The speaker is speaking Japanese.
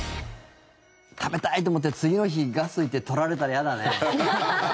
食べたいと思って次の日、ガスト行って撮られたら嫌だね。